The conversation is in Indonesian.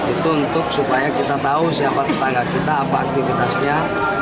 itu untuk supaya kita tahu siapa tetangga kita apa aktivitasnya